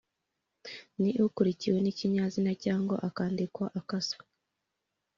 “ni” ikurikiwe n’ikinyazina cyangwa akandikwa akaswe